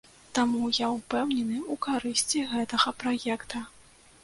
Таму я ўпэўнены ў карысці гэтага праекта.